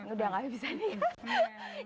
udah gak bisa nih